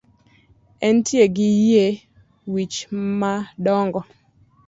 Entie gi yie wich madongo